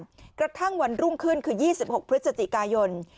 ไม่กลับบ้านกระทั่งวันรุ่งขึ้นคือ๒๖พฤศจิกายน